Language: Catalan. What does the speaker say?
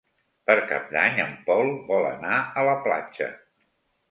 Per Cap d'Any en Pol vol anar a la platja.